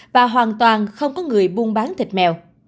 và hoàn toàn không có người buôn bán thịt mèo